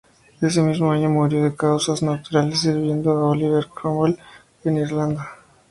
Ese mismo año murió de causas naturales sirviendo a Oliver Cromwell en Irlanda.